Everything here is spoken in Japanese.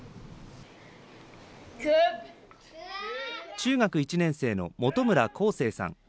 中学１年生の元村康誠さん。